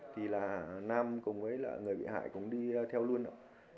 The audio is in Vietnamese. thì là nam cùng với lại người bị hại cũng đi theo luôn ạ